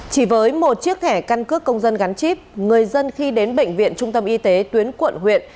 chỉ với một chiếc thẻ căn cước công dân gắn chip người dân khi đến bệnh viện trung tâm y tế tuyến quận huyện